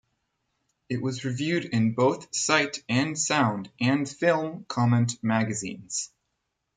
It was reviewed in both Sight and Sound and Film Comment magazines.